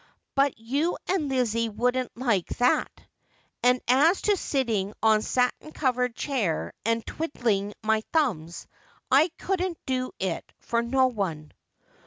But you and Lizzie wouldn't like that. And as to sitting on a satin covered chair, and twiddling my thumbs, I couldn't do it for no one.'